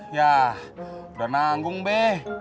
yah udah nanggung be